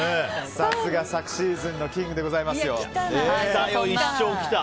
さすが、昨シーズンのキングでございます。